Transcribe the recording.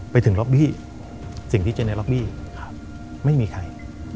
ไปถึงล็อบบี้สิ่งที่เจอในล็อบบี้ไม่มีใคร